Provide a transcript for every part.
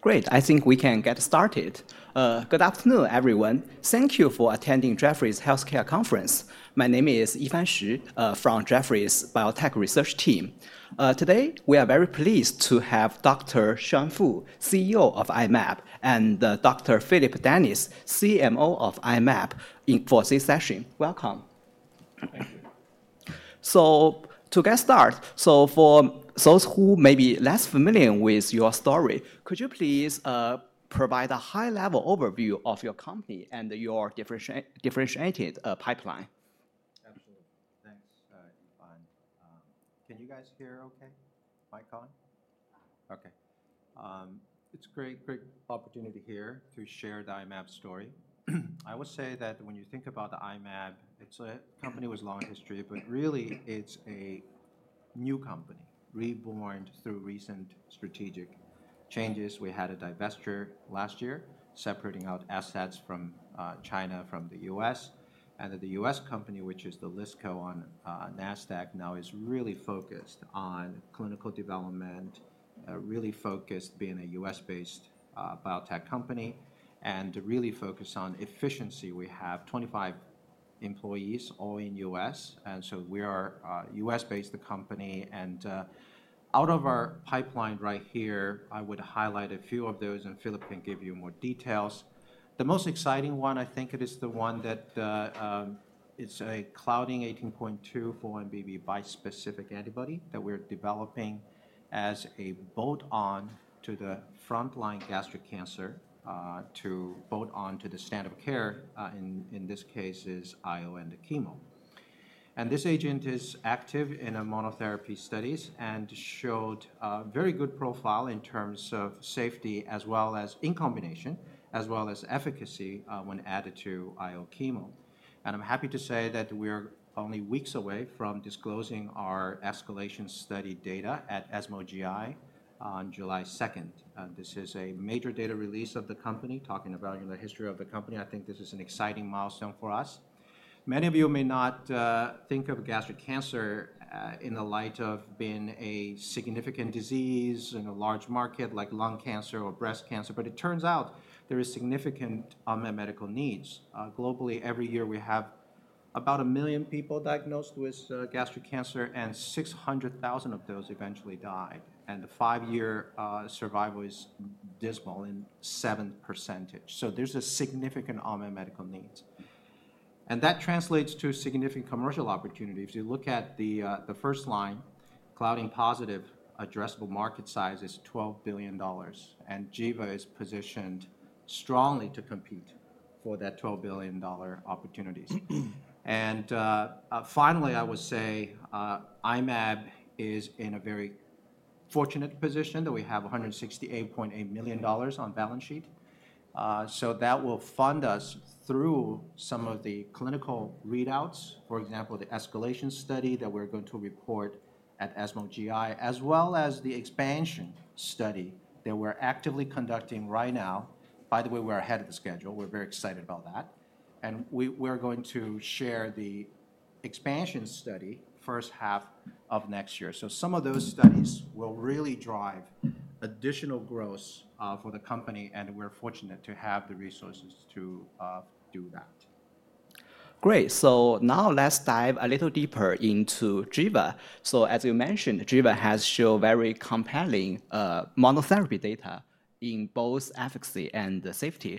Great. I think we can get started. Good afternoon, everyone. Thank you for attending Jefferies Healthcare Conference. My name is Yifan Xu, from Jefferies Biotech Research Team. Today, we are very pleased to have Dr. Sean Fu, CEO of I-MAB, and Dr. Phillip Dennis, CMO of I-MAB, for this session. Welcome. Thank you. To get started, for those who may be less familiar with your story, could you please provide a high-level overview of your company and your differentiated pipeline? Absolutely. Thanks, Yifan. Can you guys hear okay? Mic calling? Okay. It's a great opportunity here to share the I-MAB story. I would say that when you think about I-MAB, it's a company with a long history, but really, it's a new company reborn through recent strategic changes. We had a divestiture last year, separating out assets from China from the US. The U.S. company, which is the LISCO on Nasdaq, now is really focused on clinical development, really focused being a U.S.-based biotech company, and really focused on efficiency. We have 25 employees, all in the US. We are a U.S.-based company. Out of our pipeline right here, I would highlight a few of those, and Phillip can give you more details. The most exciting one, I think, is the one that it's a Claudin 18.2 4-1BB bispecific antibody that we're developing as a bolt-on to the frontline gastric cancer, to bolt on to the standard of care, in this case, is IO and chemo. This agent is active in monotherapy studies and showed a very good profile in terms of safety as well as in combination, as well as efficacy when added to IO chemo. I'm happy to say that we are only weeks away from disclosing our escalation study data at ESMO GI on July 2nd. This is a major data release of the company, talking about the history of the company. I think this is an exciting milestone for us. Many of you may not think of gastric cancer in the light of being a significant disease in a large market like lung cancer or breast cancer, but it turns out there are significant medical needs. Globally, every year, we have about 1 million people diagnosed with gastric cancer, and 600,000 of those eventually die. The five-year survival is dismal at 7%. There is a significant medical need. That translates to significant commercial opportunities. If you look at the first line, Claudin-positive addressable market size is $12 billion, and Giva is positioned strongly to compete for that $12 billion opportunity. Finally, I would say I-MAB is in a very fortunate position that we have $168.8 million on balance sheet. That will fund us through some of the clinical readouts, for example, the escalation study that we're going to report at ESMO GI, as well as the expansion study that we're actively conducting right now. By the way, we're ahead of the schedule. We're very excited about that. We're going to share the expansion study first half of next year. Some of those studies will really drive additional growth for the company, and we're fortunate to have the resources to do that. Great. Now let's dive a little deeper into Giva. As you mentioned, Giva has shown very compelling monotherapy data in both efficacy and safety.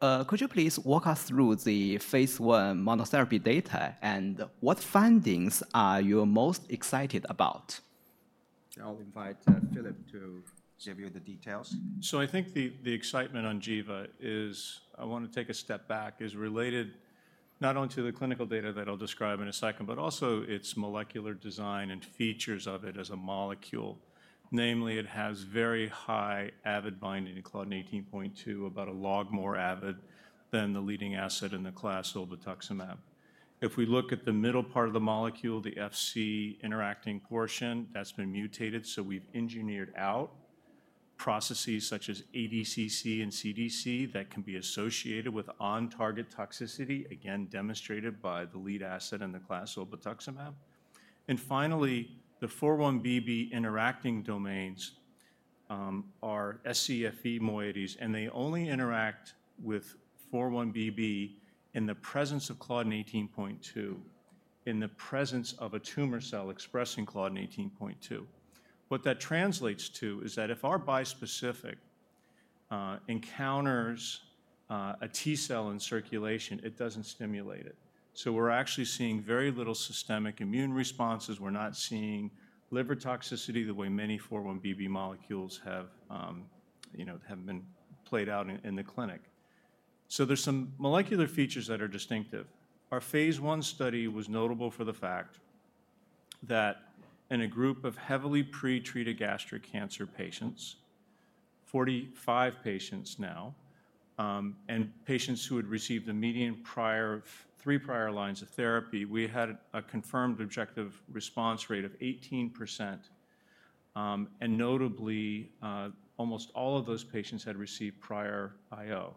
Could you please walk us through the phase one monotherapy data, and what findings are you most excited about? I'll invite Phillip to give you the details. I think the excitement on Giva is, I want to take a step back, is related not only to the clinical data that I'll describe in a second, but also its molecular design and features of it as a molecule. Namely, it has very high avid binding to Claudin 18.2, about a log more avid than the leading asset in the class, zolbetuximab. If we look at the middle part of the molecule, the FC interacting portion, that's been mutated. We have engineered out processes such as ADCC and CDC that can be associated with on-target toxicity, again, demonstrated by the lead asset in the class, zolbetuximab. Finally, the 4-1BB interacting domains are scFv moieties, and they only interact with 4-1BB in the presence of Claudin 18.2, in the presence of a tumor cell expressing Claudin 18.2. What that translates to is that if our bispecific encounters a T cell in circulation, it doesn't stimulate it. We're actually seeing very little systemic immune responses. We're not seeing liver toxicity the way many 4-1BB molecules have been played out in the clinic. There are some molecular features that are distinctive. Our phase one study was notable for the fact that in a group of heavily pretreated gastric cancer patients, 45 patients now, and patients who had received the median prior three prior lines of therapy, we had a confirmed objective response rate of 18%. Notably, almost all of those patients had received prior IO.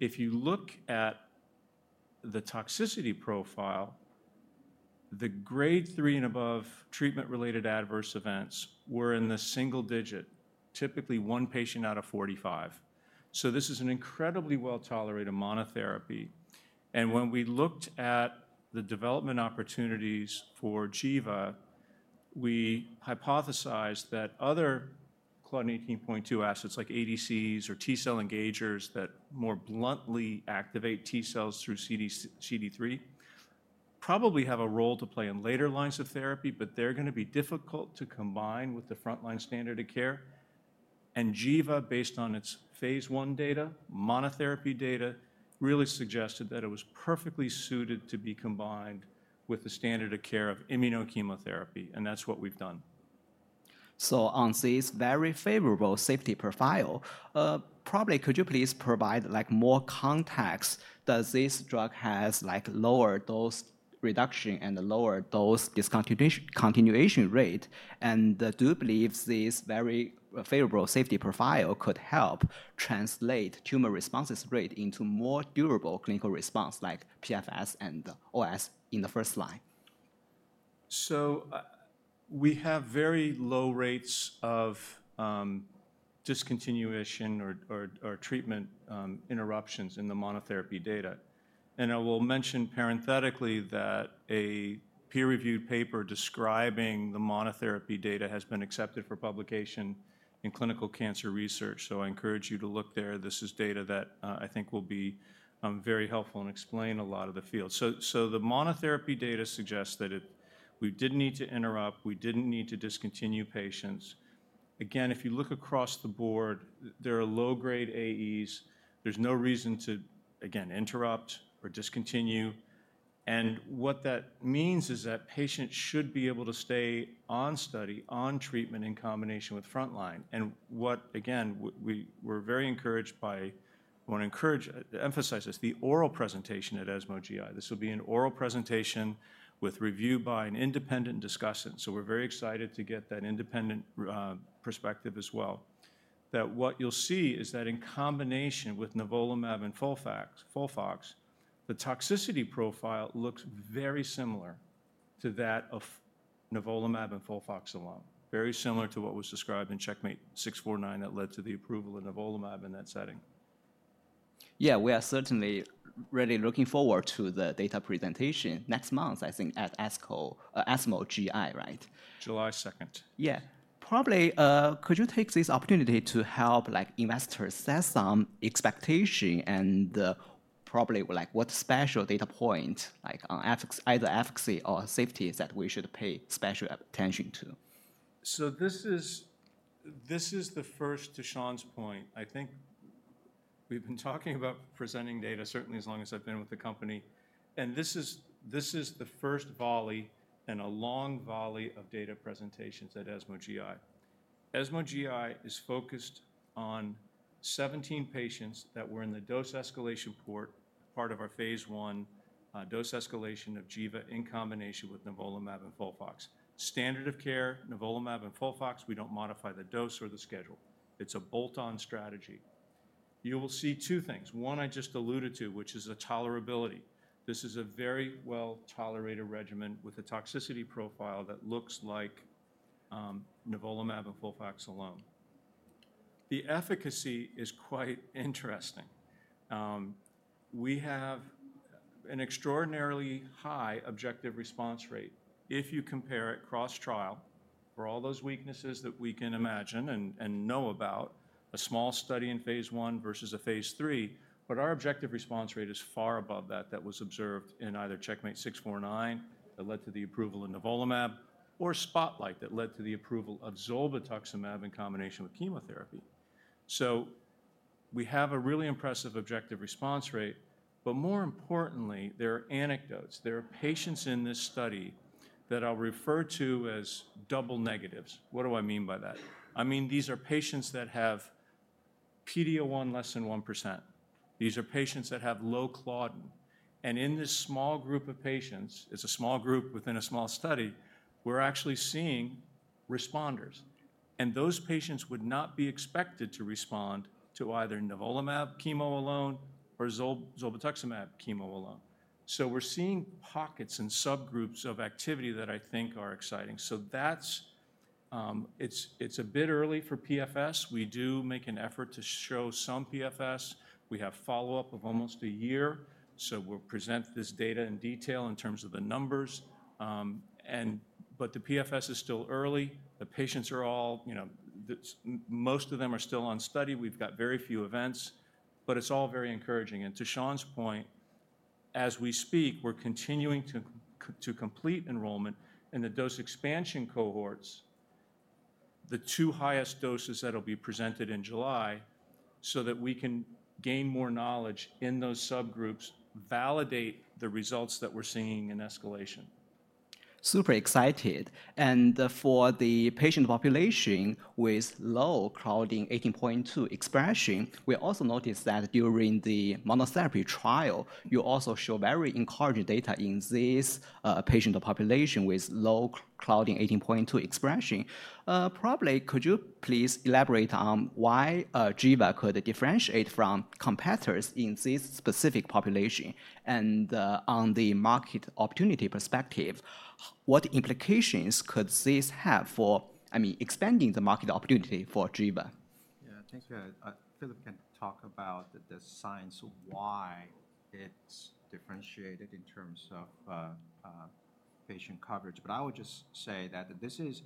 If you look at the toxicity profile, the grade three and above treatment-related adverse events were in the single digit, typically one patient out of 45. This is an incredibly well-tolerated monotherapy. When we looked at the development opportunities for Giva, we hypothesized that other Claudin 18.2 assets like ADCs or T cell engagers that more bluntly activate T cells through CD3 probably have a role to play in later lines of therapy, but they're going to be difficult to combine with the frontline standard of care. Giva, based on its phase one data, monotherapy data, really suggested that it was perfectly suited to be combined with the standard of care of immunochemotherapy. That's what we've done. On this very favorable safety profile, probably, could you please provide more context that this drug has lower dose reduction and lower dose discontinuation rate? Do you believe this very favorable safety profile could help translate tumor responses rate into more durable clinical response like PFS and OS in the first line? We have very low rates of discontinuation or treatment interruptions in the monotherapy data. I will mention parenthetically that a peer-reviewed paper describing the monotherapy data has been accepted for publication in Clinical Cancer Research. I encourage you to look there. This is data that I think will be very helpful and explain a lot of the field. The monotherapy data suggests that we did not need to interrupt. We did not need to discontinue patients. Again, if you look across the board, there are low-grade AEs. There is no reason to, again, interrupt or discontinue. What that means is that patients should be able to stay on study, on treatment in combination with frontline. What, again, we were very encouraged by, I want to emphasize this, the oral presentation at ESMO GI. This will be an oral presentation with review by an independent discussant. We're very excited to get that independent perspective as well. What you'll see is that in combination with nivolumab and FOLFOX, the toxicity profile looks very similar to that of nivolumab and FOLFOX alone, very similar to what was described in CheckMate 649 that led to the approval of nivolumab in that setting. Yeah, we are certainly really looking forward to the data presentation next month, I think, at ESMO GI, right? July 2nd. Yeah. Probably, could you take this opportunity to help investors set some expectation and probably what special data point, either efficacy or safety, that we should pay special attention to? This is the first, to Sean's point. I think we've been talking about presenting data, certainly as long as I've been with the company. This is the first volley in a long volley of data presentations at ESMO GI. ESMO GI is focused on 17 patients that were in the dose escalation part, part of our phase one dose escalation of Giva in combination with nivolumab and FOLFOX. Standard of care, nivolumab and FOLFOX, we don't modify the dose or the schedule. It's a bolt-on strategy. You will see two things. One, I just alluded to, which is tolerability. This is a very well-tolerated regimen with a toxicity profile that looks like nivolumab and FOLFOX alone. The efficacy is quite interesting. We have an extraordinarily high objective response rate if you compare it cross-trial for all those weaknesses that we can imagine and know about, a small study in phase one versus a phase three. Our objective response rate is far above that that was observed in either CheckMate 649 that led to the approval of nivolumab or Spotlight that led to the approval of zolbetuximab in combination with chemotherapy. We have a really impressive objective response rate. More importantly, there are anecdotes. There are patients in this study that I'll refer to as double negatives. What do I mean by that? I mean, these are patients that have PD-L1 less than 1%. These are patients that have low Claudin. In this small group of patients, it's a small group within a small study, we're actually seeing responders. Those patients would not be expected to respond to either nivolumab chemo alone or zolbetuximab chemo alone. We are seeing pockets and subgroups of activity that I think are exciting. It is a bit early for PFS. We do make an effort to show some PFS. We have follow-up of almost a year. We will present this data in detail in terms of the numbers. The PFS is still early. The patients are all, most of them are still on study. We have very few events. It is all very encouraging. To Sean's point, as we speak, we are continuing to complete enrollment in the dose expansion cohorts, the two highest doses that will be presented in July so that we can gain more knowledge in those subgroups and validate the results that we are seeing in escalation. Super excited. For the patient population with low Claudin 18.2 expression, we also noticed that during the monotherapy trial, you also show very encouraging data in this patient population with low Claudin 18.2 expression. Probably, could you please elaborate on why Giva could differentiate from competitors in this specific population? On the market opportunity perspective, what implications could this have for, I mean, expanding the market opportunity for Giva? Yeah, I think Phillip can talk about the science of why it's differentiated in terms of patient coverage. I will just say that this is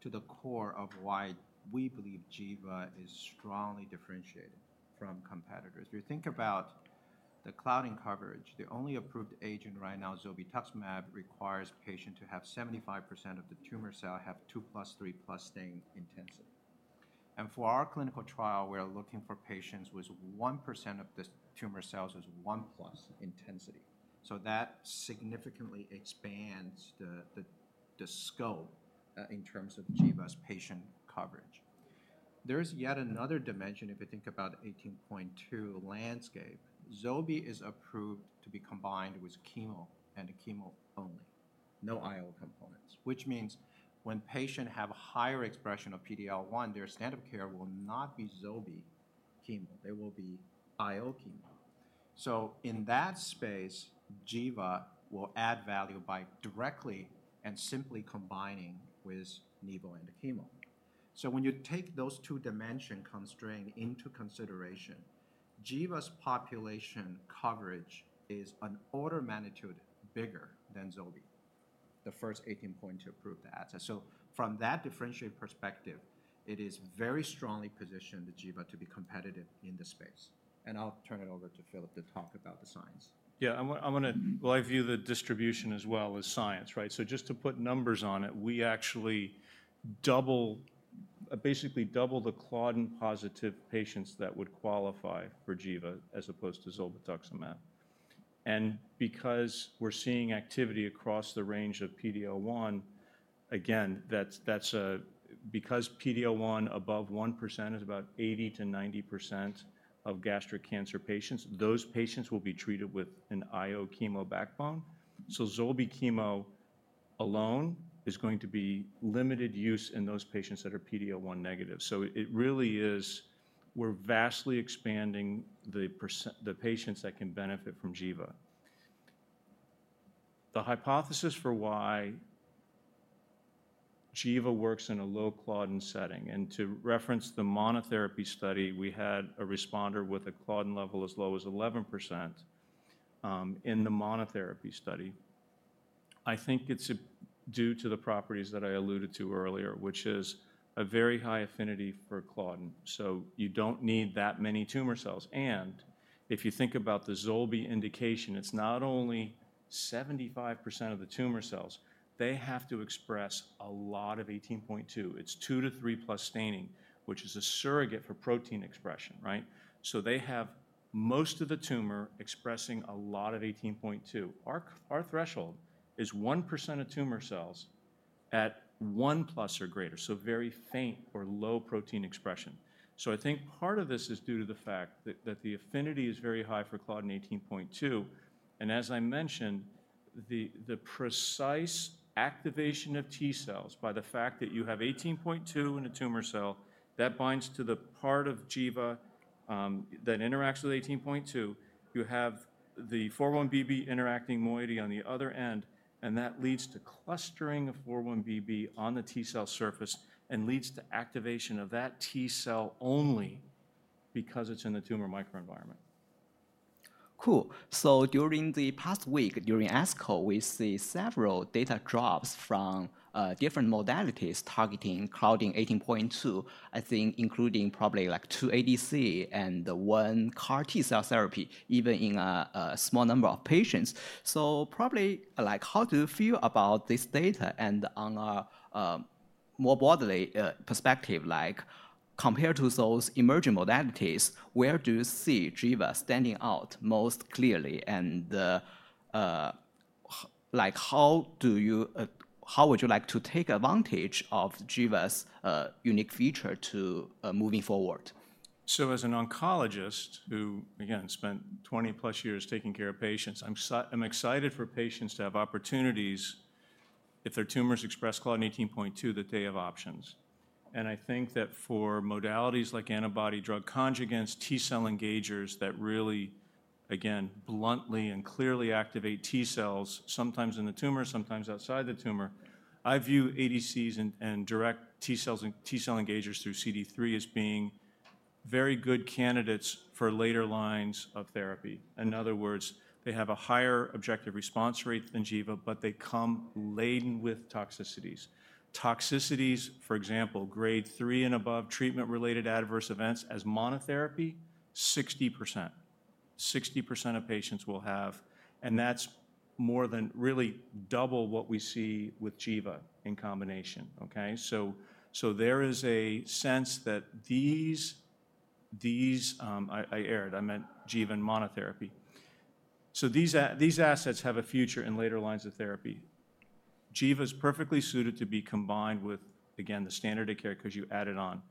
to the core of why we believe Giva is strongly differentiated from competitors. If you think about the Claudin coverage, the only approved agent right now, zolbetuximab, requires a patient to have 75% of the tumor cell have 2+ 3+ stain intensity. For our clinical trial, we are looking for patients with 1% of the tumor cells as 1+ intensity. That significantly expands the scope in terms of Giva's patient coverage. There is yet another dimension, if you think about the 18.2 landscape. Zolbe is approved to be combined with chemo and chemo only, no IO components, which means when patients have a higher expression of PD-L1, their standard of care will not be Zolbe chemo. They will be IO chemo. In that space, Giva will add value by directly and simply combining with Nivo and the Chemo. When you take those two dimensions constraints into consideration, Giva's population coverage is an order of magnitude bigger than Zolbe, the first 18.2 approved asset. From that differentiated perspective, it is very strongly positioned, the Giva, to be competitive in the space. I'll turn it over to Phillip to talk about the science. Yeah, I want to, I view the distribution as well as science, right? Just to put numbers on it, we actually basically double the Claudin-positive patients that would qualify for Giva as opposed to zolbetuximab. Because we're seeing activity across the range of PD-L1, again, because PD-L1 above 1% is about 80%-90% of gastric cancer patients, those patients will be treated with an IO chemo backbone. Zolbe chemo alone is going to be limited use in those patients that are PD-L1 negative. It really is, we're vastly expanding the patients that can benefit from Giva. The hypothesis for why Giva works in a low Claudin setting, and to reference the monotherapy study, we had a responder with a Claudin level as low as 11% in the monotherapy study. I think it's due to the properties that I alluded to earlier, which is a very high affinity for Claudin. You don't need that many tumor cells. If you think about the Zolbe indication, it's not only 75% of the tumor cells. They have to express a lot of 18.2. It's 2-3+ staining, which is a surrogate for protein expression, right? They have most of the tumor expressing a lot of 18.2. Our threshold is 1% of tumor cells at 1+ or greater, so very faint or low protein expression. I think part of this is due to the fact that the affinity is very high for Claudin 18.2. As I mentioned, the precise activation of T cells by the fact that you have 18.2 in a tumor cell that binds to the part of Giva that interacts with 18.2, you have the 4-1BB interacting moiety on the other end. That leads to clustering of 4-1BB on the T cell surface and leads to activation of that T cell only because it is in the tumor microenvironment. Cool. During the past week, during ESMO GI, we see several data drops from different modalities targeting Claudin 18.2, I think including probably like two ADC and one CAR-T cell therapy, even in a small number of patients. Probably, how do you feel about this data? On a more broad perspective, compared to those emerging modalities, where do you see Giva standing out most clearly? How would you like to take advantage of Giva's unique feature moving forward? As an oncologist who, again, spent 20-plus years taking care of patients, I'm excited for patients to have opportunities if their tumors express Claudin 18.2 that they have options. I think that for modalities like antibody-drug conjugates, T cell engagers that really, again, bluntly and clearly activate T cells, sometimes in the tumor, sometimes outside the tumor, I view ADCs and direct T cell engagers through CD3 as being very good candidates for later lines of therapy. In other words, they have a higher objective response rate than Giva, but they come laden with toxicities. Toxicities, for example, grade 3 and above treatment-related adverse events as monotherapy, 60%. 60% of patients will have. That is more than really double what we see with Giva in combination, OK? There is a sense that these—I erred. I meant Giva in monotherapy. These assets have a future in later lines of therapy. Giva is perfectly suited to be combined with, again, the standard of care because you add it on.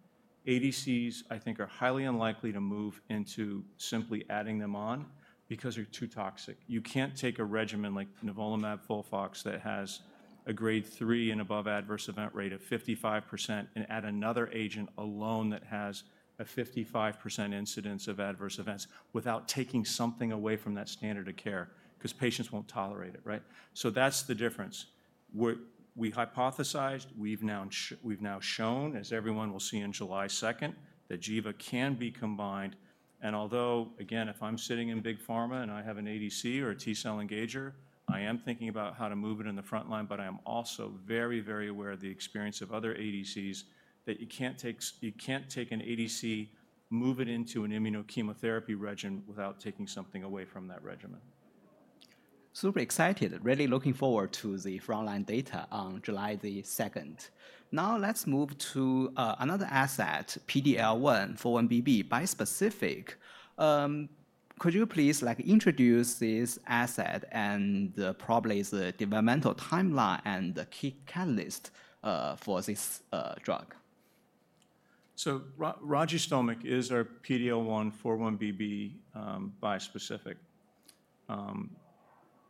ADCs, I think, are highly unlikely to move into simply adding them on because they're too toxic. You can't take a regimen like nivolumab, FOLFOX that has a grade 3 and above adverse event rate of 55% and add another agent alone that has a 55% incidence of adverse events without taking something away from that standard of care because patients won't tolerate it, right? That's the difference. We hypothesized. We've now shown, as everyone will see on July 2nd, that Giva can be combined. Although, again, if I'm sitting in big pharma and I have an ADC or a T cell engager, I am thinking about how to move it in the front line. I am also very, very aware of the experience of other ADCs that you can't take an ADC, move it into an immunochemotherapy regimen without taking something away from that regimen. Super excited, really looking forward to the front line data on July the 2nd. Now let's move to another asset, PD-L1, 4-1BB, bispecific. Could you please introduce this asset and probably the developmental timeline and the key catalyst for this drug? Ragistomig is our PD-L1 4-1BB bispecific.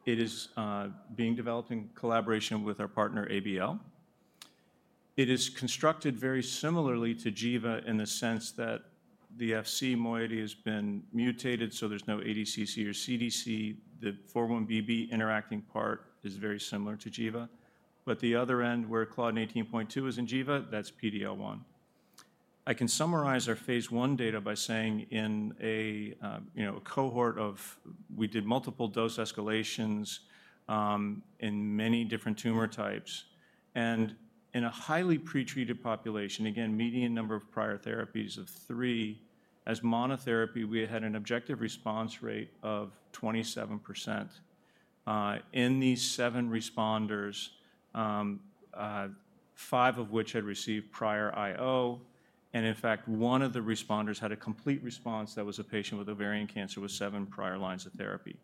It is being developed in collaboration with our partner, ABL. It is constructed very similarly to Giva in the sense that the FC moiety has been mutated, so there's no ADCC or CDC. The 4-1BB interacting part is very similar to Giva. The other end, where Claudin 18.2 is in Giva, that's PD-L1. I can summarize our phase I data by saying in a cohort of, we did multiple dose escalations in many different tumor types. In a highly pretreated population, again, median number of prior therapies of three, as monotherapy, we had an objective response rate of 27%. In these seven responders, five of which had received prior IO. In fact, one of the responders had a complete response that was a patient with ovarian cancer with seven prior lines of therapy.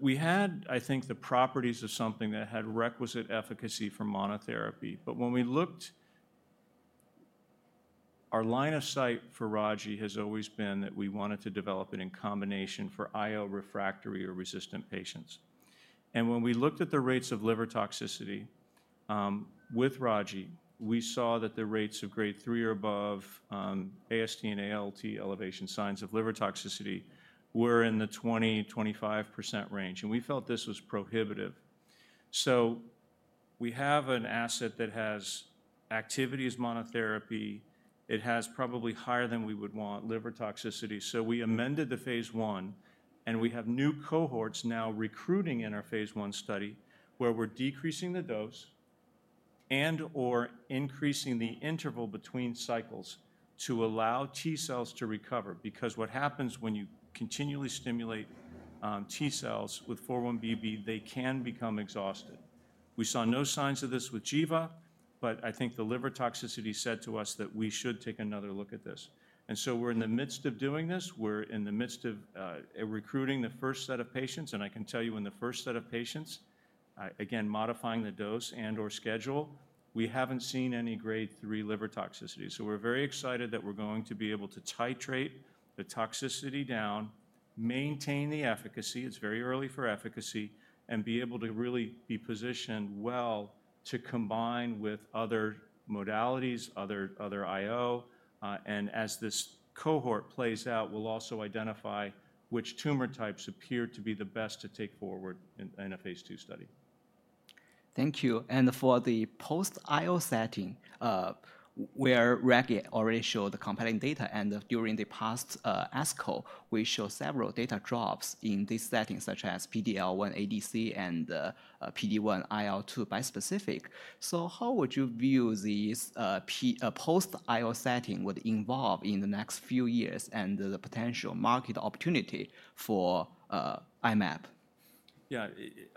We had, I think, the properties of something that had requisite efficacy for monotherapy. When we looked, our line of sight for Raji has always been that we wanted to develop it in combination for IO refractory or resistant patients. When we looked at the rates of liver toxicity with Raji, we saw that the rates of grade 3 or above AST and ALT elevation signs of liver toxicity were in the 20%-25% range. We felt this was prohibitive. We have an asset that has activity as monotherapy. It has probably higher than we would want liver toxicity. We amended the phase one. We have new cohorts now recruiting in our phase one study where we're decreasing the dose and/or increasing the interval between cycles to allow T cells to recover. Because what happens when you continually stimulate T cells with 4-1BB, they can become exhausted. We saw no signs of this with Giva. I think the liver toxicity said to us that we should take another look at this. We are in the midst of doing this. We are in the midst of recruiting the first set of patients. I can tell you in the first set of patients, again, modifying the dose and/or schedule, we have not seen any grade three liver toxicity. We are very excited that we are going to be able to titrate the toxicity down, maintain the efficacy—it is very early for efficacy—and be able to really be positioned well to combine with other modalities, other IO. As this cohort plays out, we will also identify which tumor types appear to be the best to take forward in a phase two study. Thank you. For the post-IO setting, where already showed the compelling data, and during the past ASCO, we showed several data drops in these settings, such as PD-L1, ADC, and PD-1, IL-2 bispecific. How would you view this post-IO setting would evolve in the next few years and the potential market opportunity for I-MAB? Yeah,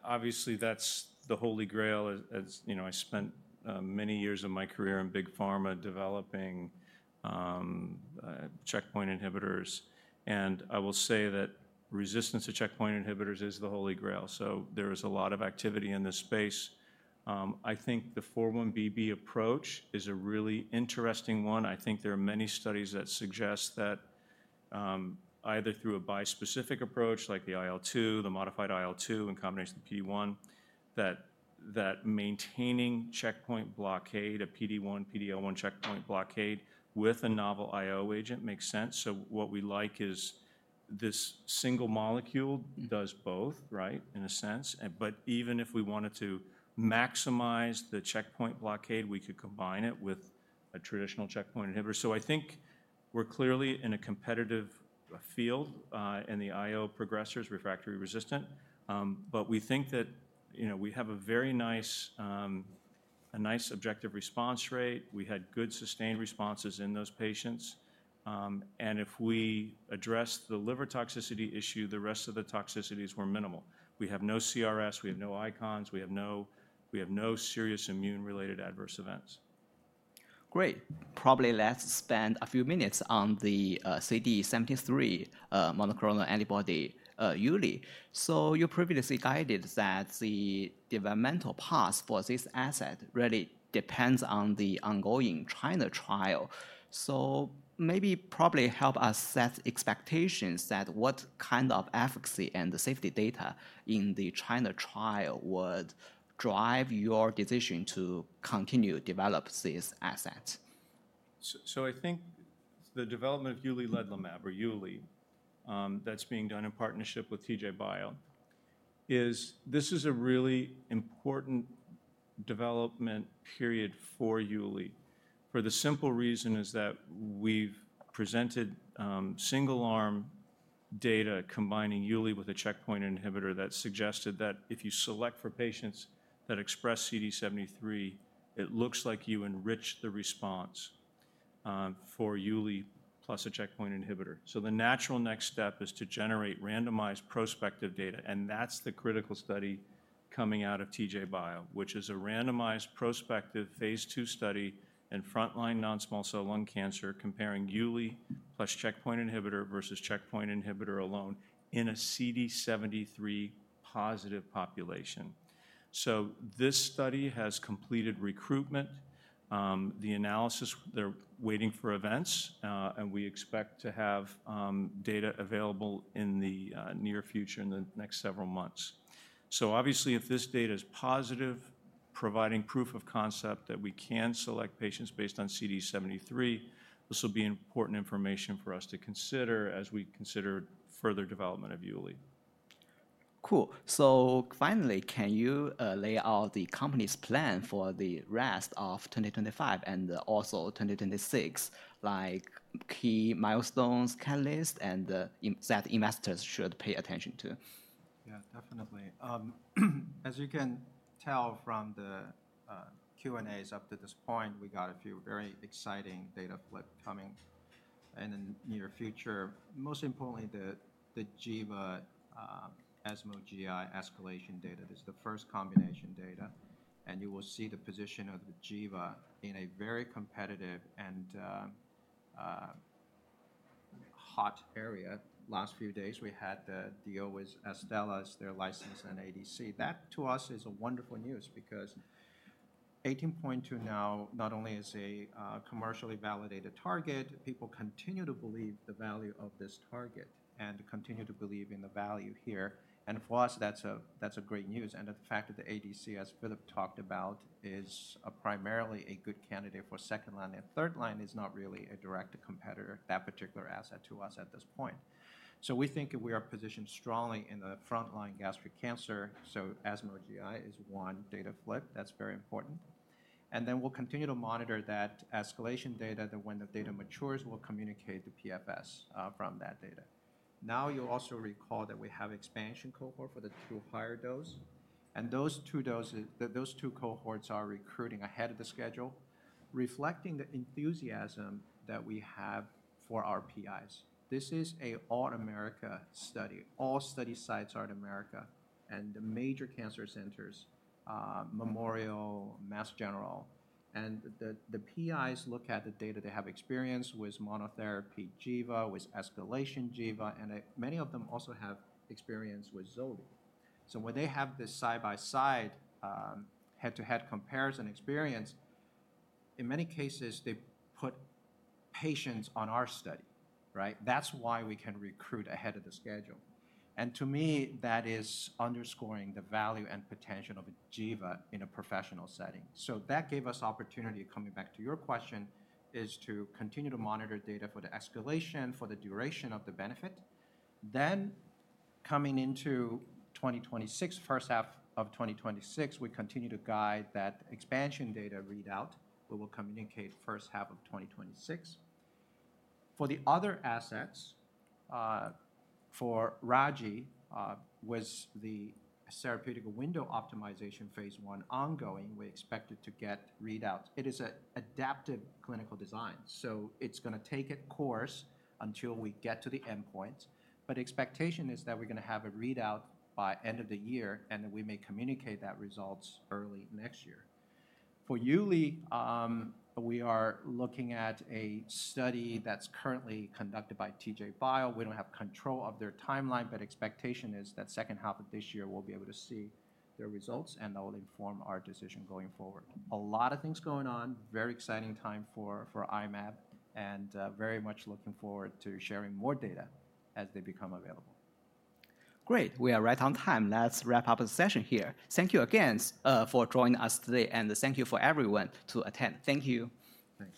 obviously, that's the holy grail. I spent many years of my career in big pharma developing checkpoint inhibitors. I will say that resistance to checkpoint inhibitors is the holy grail. There is a lot of activity in this space. I think the 4-1BB approach is a really interesting one. I think there are many studies that suggest that either through a bispecific approach like the IL-2, the modified IL-2 in combination with PD-1, that maintaining checkpoint blockade, a PD-1, PD-L1 checkpoint blockade with a novel IO agent makes sense. What we like is this single molecule does both, right, in a sense. Even if we wanted to maximize the checkpoint blockade, we could combine it with a traditional checkpoint inhibitor. I think we're clearly in a competitive field in the IO progressors, refractory resistant. We think that we have a very nice objective response rate. We had good sustained responses in those patients. If we address the liver toxicity issue, the rest of the toxicities were minimal. We have no CRS. We have no ICONs. We have no serious immune-related adverse events. Great. Probably let's spend a few minutes on the CD73 Monoclonal Antibody Uli. You previously guided that the developmental path for this asset really depends on the ongoing China trial. Maybe probably help us set expectations that what kind of efficacy and the safety data in the China trial would drive your decision to continue to develop this asset. I think the development of uliledlimab, or ULI, that's being done in partnership with TJ Bio is a really important development period for ULI for the simple reason that we've presented single-arm data combining ULI with a checkpoint inhibitor that suggested that if you select for patients that express CD73, it looks like you enrich the response for ULI plus a checkpoint inhibitor. The natural next step is to generate randomized prospective data. That's the critical study coming out of TJ Bio, which is a randomized prospective phase two study in frontline non-small cell lung cancer comparing ULI plus checkpoint inhibitor versus checkpoint inhibitor alone in a CD73 positive population. This study has completed recruitment. The analysis, they're waiting for events. We expect to have data available in the near future in the next several months. Obviously, if this data is positive, providing proof of concept that we can select patients based on CD73, this will be important information for us to consider as we consider further development of ULI. Cool. So finally, can you lay out the company's plan for the rest of 2025 and also 2026, like key milestones, catalysts, and that investors should pay attention to? Yeah, definitely. As you can tell from the Q&As up to this point, we got a few very exciting data flips coming in the near future. Most importantly, the Giva ESMO GI escalation data. This is the first combination data. You will see the position of the Giva in a very competitive and hot area. Last few days, we had the deal with Astellas, their license and ADC. That, to us, is wonderful news because 18.2 now not only is a commercially validated target, people continue to believe the value of this target and continue to believe in the value here. For us, that's a great news. The fact that the ADC, as Phillip talked about, is primarily a good candidate for second line and third line is not really a direct competitor, that particular asset, to us at this point. We think we are positioned strongly in the front line gastric cancer. ESMO GI is one data flip that's very important. We will continue to monitor that escalation data. When the data matures, we will communicate the PFS from that data. You will also recall that we have an expansion cohort for the two higher dose. Those two doses, those two cohorts are recruiting ahead of the schedule, reflecting the enthusiasm that we have for our PIs. This is an all-America study. All study sites are in America and the major cancer centers, Memorial, Mass General. The PIs look at the data. They have experience with monotherapy Giva, with escalation Giva. Many of them also have experience with Zolbe. When they have this side-by-side head-to-head comparison experience, in many cases, they put patients on our study, right? That's why we can recruit ahead of the schedule. To me, that is underscoring the value and potential of Giva in a professional setting. That gave us opportunity, coming back to your question, to continue to monitor data for the escalation, for the duration of the benefit. Coming into 2026, first half of 2026, we continue to guide that expansion data readout. We will communicate first half of 2026. For the other assets, for Raji, with the therapeutic window optimization phase one ongoing, we expect it to get readouts. It is an adaptive clinical design. It's going to take its course until we get to the end point. The expectation is that we're going to have a readout by end of the year. We may communicate that results early next year. For ULI, we are looking at a study that's currently conducted by TJ Bio. We don't have control of their timeline. Expectation is that second half of this year, we'll be able to see their results. That will inform our decision going forward. A lot of things going on, very exciting time for I-MAB. Very much looking forward to sharing more data as they become available. Great. We are right on time. Let's wrap up the session here. Thank you again for joining us today. Thank you for everyone to attend. Thank you. Thanks.